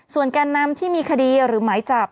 ส่วนการนำที่มีคดีหรือหมายจับ